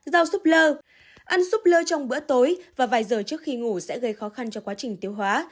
rau súp lơ ăn xúc lơ trong bữa tối và vài giờ trước khi ngủ sẽ gây khó khăn cho quá trình tiêu hóa